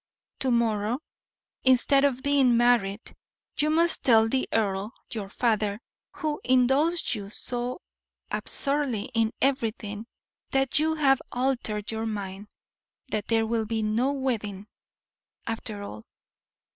To morrow, instead of being married, you must tell the earl, your father, who indulges you so absurdly in everything, that you have altered your mind; that there will be no wedding, after all.